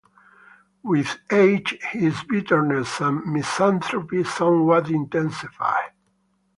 With age, his bitterness and misanthropy somewhat intensified.